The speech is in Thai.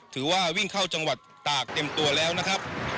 ถือว่าวิ่งเข้าจังหวัดตากเต็มตัวแล้วนะครับ